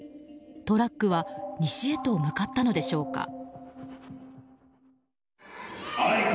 トラックは西へと向かったのでしょうか。